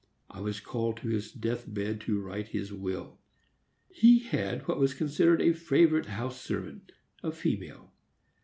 I was called to his death bed to write his will. He had what was considered a favorite house servant, a female.